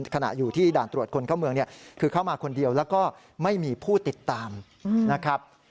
ขณะอยู่ที่ด่านตรวจคนเข้าเมืองเนี่ยคือเข้ามาคนเดียวแล้วก็ไม่มีผู้ติดตามนะครับ